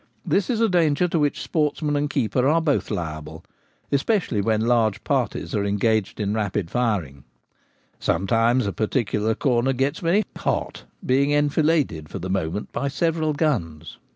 This is a danger to which sportsman and keeper are both liable, especially when large parties are engaged in rapid firing ; sometimes a particular corner gets very < hot/ being enfiladed for the moment by several guns.